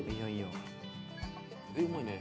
絵うまいね。